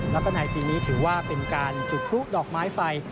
แล้วก็ในปีนี้ถือว่าเป็นการจุดพลุดอกไม้ไฟ